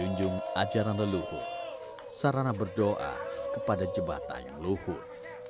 menjunjung ajaran leluhur sarana berdoa kepada jebata yang leluhur